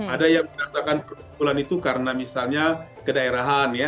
ada yang merasakan kekumpulan itu karena misalnya kedaerahan ya